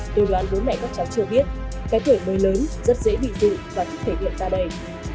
tôi đoán bố mẹ các cháu chưa biết cái tuổi mới lớn rất dễ bị dụ và thích thể hiện ra đây